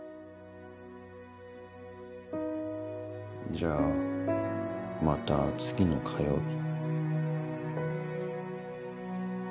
じゃあまた次の火曜日。